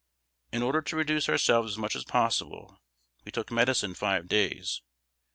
In order to reduce ourselves as much as possible, we took medicine five days.